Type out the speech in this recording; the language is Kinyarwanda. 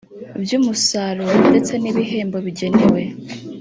by umusaruro ndetse n ibihembo bigenewe